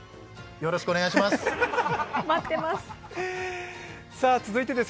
よろしくお願いします。